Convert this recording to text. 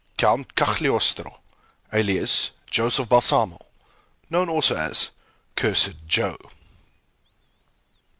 COUNT CAGLIOSTRO, ALIAS JOSEPH BALSAMO, KNOWN ALSO AS "CURSED JOE."